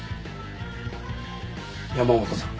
山本さん。